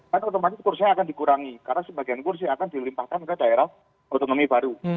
kan otomatis kursinya akan dikurangi karena sebagian kursi akan dilimpahkan ke daerah otonomi baru